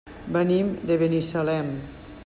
Venim de Binissalem.